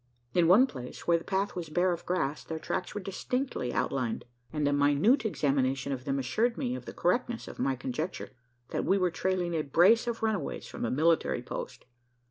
In one place, where the path was bare of grass, their tracks were distinctly outlined; and a minute examination of them assured me of the correctness of my conjecture that we were trailing a brace of runaways from a military post.